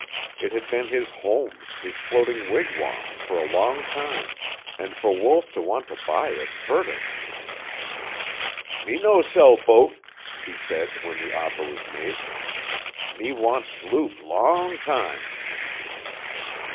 It had been his home, his floating wigwam, for a long time, and for Wolf to want to buy it hurt him. "Me no sell boat," he said, when the offer was made. "Me want sloop long time."